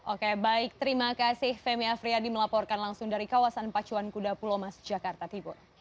oke baik terima kasih femi afriyadi melaporkan langsung dari kawasan pacuan kuda pulau mas jakarta timur